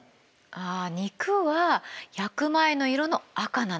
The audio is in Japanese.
あ肉は焼く前の色の赤なの。